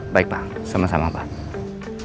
baik pak sama sama pak